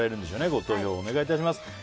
ご投票をお願いします。